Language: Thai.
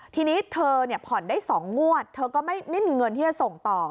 ทีนี้เธอผ่อนได้๒งวดเธอก็ไม่มีเงินที่จะส่งต่อ